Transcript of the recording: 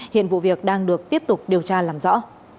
hiện vụ việc đang được tiếp tục điều tra làm rõ